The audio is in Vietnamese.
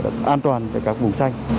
an toàn cho các vùng xanh